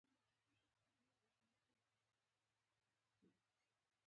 د فلم کتل کله ناکله د خپل ژوند انعکاس وي.